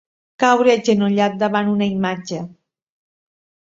Caure agenollat davant una imatge.